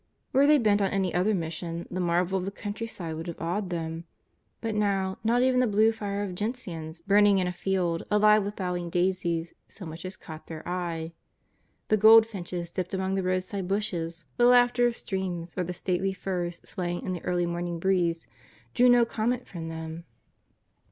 Were they bent on any other mission the marvel of the countryside would have awed them. But now, not even the blue fire of gentians burning in a field alive with bowing daisies, so much as caught their eye. The goldfinches dipping among the roadside bushes, the laughter of streams, or the stately firs swaying in the early morning breeze drew no comment from them.